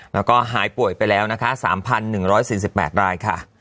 แล้วก็หายป่วยไปแล้วนะคะ๓๑๔๘รายค่ะ